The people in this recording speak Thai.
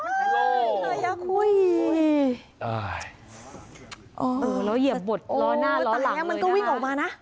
อ่าเออแล้วเหยียบบทรอหน้ารอหลังมันก็วิ่งออกมานะ